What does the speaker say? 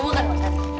gua udah makan